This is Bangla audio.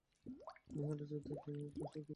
নীহারের চরিত্রে একটা নিরেট নিষ্ঠুরতা ছিল।